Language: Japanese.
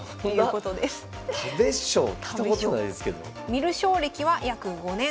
観る将歴は約５年。